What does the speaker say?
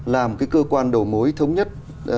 là một cái cơ quan đầu mối thống nhất